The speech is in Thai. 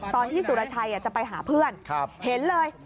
สุรชัยจะไปหาเพื่อนเห็นเลย